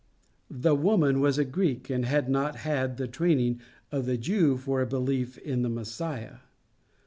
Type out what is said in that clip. The woman was a Greek, and had not had the training of the Jew for a belief in the Messiah.